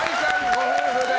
ご夫婦で？